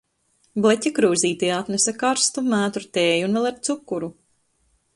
Bleķa krūzītē atnesa karstu mētru tēju un vēl ar cukuru.